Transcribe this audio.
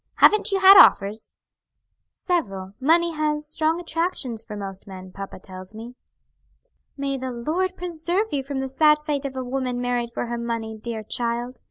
Haven't you had offers?" "Several; money has strong attractions for most men, papa tells me." "May the Lord preserve you from the sad fate of a woman married for her money, dear child!"